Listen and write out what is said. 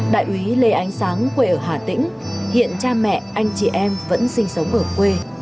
đại úy lê ánh sáng quê ở hà tĩnh hiện cha mẹ anh chị em vẫn sinh sống ở quê